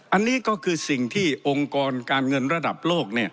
อันนี้ก็คือสิ่งที่องค์กรการเงินระดับโลก